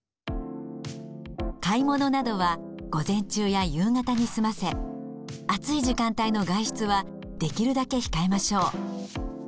買い物などは午前中や夕方に済ませ暑い時間帯の外出はできるだけ控えましょう。